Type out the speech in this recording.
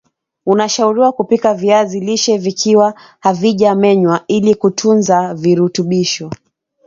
Unashauriwa kupika viazi lishe vikiwa havija menywa ili kutunza virutubisho